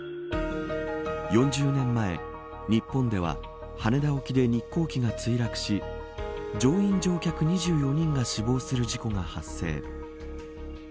４０年前、日本では羽田沖で日航機が墜落し乗員乗客２４人が死亡する事故が発生。